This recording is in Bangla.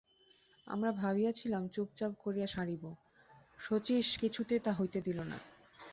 আমরা ভাবিয়াছিলাম চুপচাপ করিয়া সারিব, শচীশ কিছুতেই তা হইতে দিল না।